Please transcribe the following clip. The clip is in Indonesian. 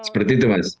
seperti itu mas